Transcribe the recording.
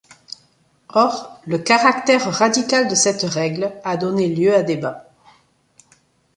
Or, le caractère radical de cette règle a donné lieu à débats.